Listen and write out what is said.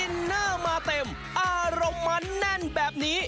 เนอร์มาเต็มอารมณ์มาแน่นแบบนี้